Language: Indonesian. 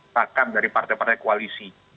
bahkan dari partai partai koalisi